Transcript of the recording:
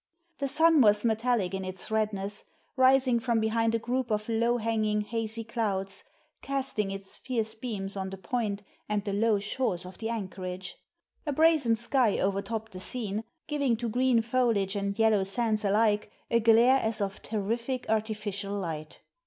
The sun was metallic in its redness, rising from behind a group of low hanging, hazy clouds, casting its fierce beams on the point and the low shores of the anchorage. A brazen sky overtopped the scene, giving to green foliage and yellow sands alike, a glare as of terrific artificial light.